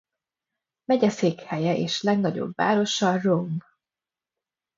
Megyeszékhelye és legnagyobb városa Rome.